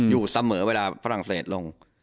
อยู่เสมอเวลาฝรั่งเศสลง